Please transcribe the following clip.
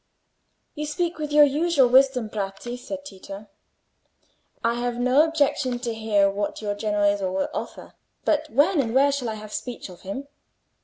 "You speak with your usual wisdom, Bratti," said Tito. "I have no objection to hear what your Genoese will offer. But when and where shall I have speech of him?"